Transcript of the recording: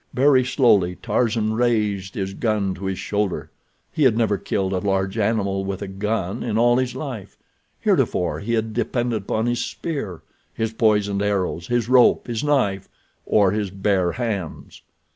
Very slowly Tarzan raised his gun to his shoulder. He had never killed a large animal with a gun in all his life—heretofore he had depended upon his spear, his poisoned arrows, his rope, his knife, or his bare hands.